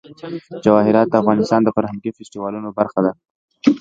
جواهرات د افغانستان د فرهنګي فستیوالونو برخه ده.